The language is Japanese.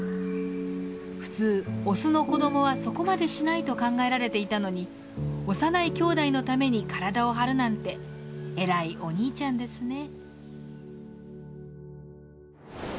普通オスの子どもはそこまでしないと考えられていたのに幼いきょうだいのために体を張るなんて偉いお兄ちゃんですね。